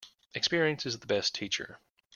Experience is the best teacher.